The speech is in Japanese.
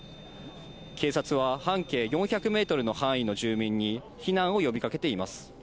警察は半径４００メートルの範囲の住民に避難を呼びかけています。